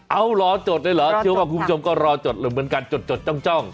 เอาเหรอจดเลยเหรอเชื่อว่าคุณผู้ชมก็รอจดเลยเหมือนกันจดจ้อง